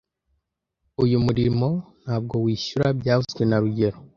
Uyu murimo ntabwo wishyura byavuzwe na rugero